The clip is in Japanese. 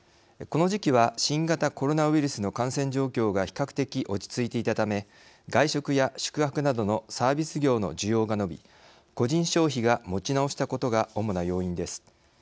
この時期は新型コロナウイルスの感染状況が比較的落ち着いていたため外食や宿泊などのサービス業の需要が伸び個人消費が持ち直したことが主な要因です。